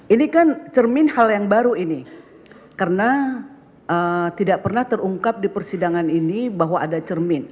ini kan cermin hal yang baru ini karena tidak pernah terungkap di persidangan ini bahwa ada cermin